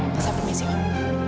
saya permisi om